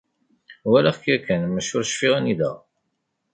Walaɣ-k yakan maca ur cfiɣ anida.